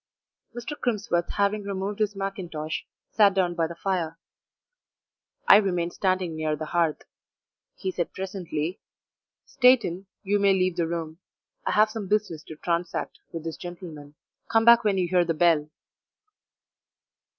Mr. Crimsworth, having removed his mackintosh, sat down by the fire. I remained standing near the hearth; he said presently "Steighton, you may leave the room; I have some business to transact with this gentleman. Come back when you hear the bell."